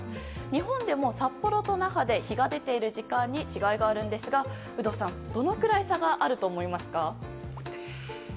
日本でも札幌と那覇で日が出ている時間に違いがあるのですが有働さん、どのくらい差があると思いますか？